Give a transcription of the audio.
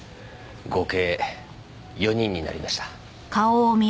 合計４人になりました。